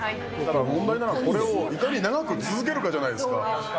問題なのは、これをいかに長く続けるかじゃないですか。